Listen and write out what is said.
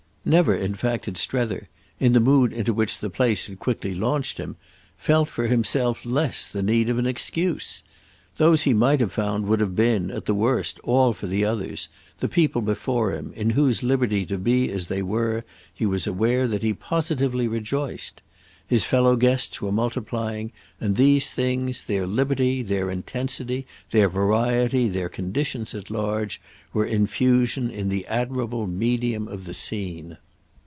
Never in fact had Strether—in the mood into which the place had quickly launched him—felt, for himself, less the need of an excuse. Those he might have found would have been, at the worst, all for the others, the people before him, in whose liberty to be as they were he was aware that he positively rejoiced. His fellow guests were multiplying, and these things, their liberty, their intensity, their variety, their conditions at large, were in fusion in the admirable medium of the scene.